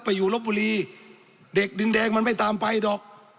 ไปอยู่รถบุรีเด็กดินแดงมันไม่ตามไปดอก